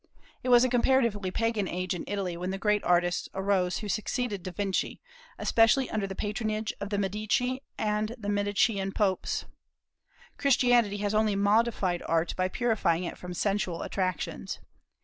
It was a comparatively Pagan age in Italy when the great artists arose who succeeded Da Vinci, especially under the patronage of the Medici and the Medicean popes. Christianity has only modified Art by purifying it from sensual attractions.